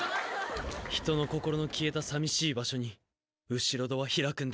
「人の心の消えたさみしい場所に後ろ戸は開くんだ」